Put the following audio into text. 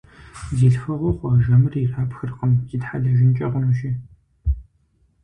Зи лъхуэгъуэ хъуа жэмыр ирапхыркъым, зитхьэлэжынкӀэ хъунущи.